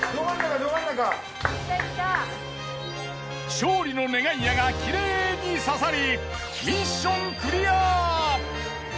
勝利の願い矢がきれいに刺さりミッションクリア。